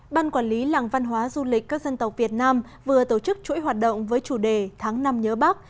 ban quản lý làng văn hóa du lịch các dân tộc việt nam vừa tổ chức chuỗi hoạt động với chủ đề tháng năm nhớ bắc